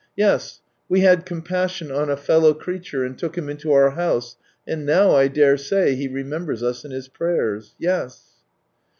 Yes, we had compassion on a fellow ( reature and took him into our house, and now I daresay he remembers us in his prayers. ... Yes.